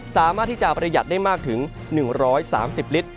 สามารถที่จะประหยัดได้มากถึง๑๓๐ลิตร